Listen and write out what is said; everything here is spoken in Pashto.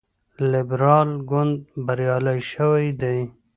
لیبرال ګوند بریالی شوی دی.